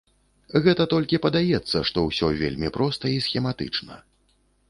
Гэта толькі падаецца, што ўсё вельмі проста і схематычна.